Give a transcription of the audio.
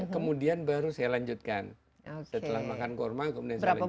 kemudian baru saya lanjutkan setelah makan kurma kemudian saya lanjutkan